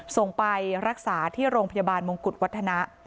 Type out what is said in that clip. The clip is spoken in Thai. ส่งไปรักษาที่โรงพยาบาลมงกุฎวัฒนะ